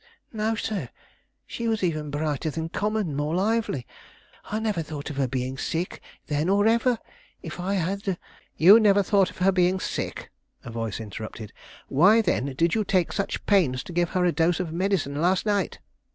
"No, sir; she was even brighter than common; more lively. I never thought of her being sick then or ever. If I had " "You never thought of her being sick?" a voice here interrupted. "Why, then, did you take such pains to give her a dose of medicine last night?"